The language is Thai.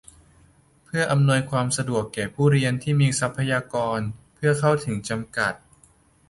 เพื่ออำนวยความสะดวกแก้ผู้เรียนที่มีทรัพยากรเพื่อการเข้าถึงจำกัด